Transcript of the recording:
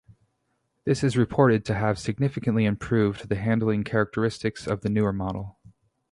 This is reported to have significantly improved the handling characteristics of the newer model.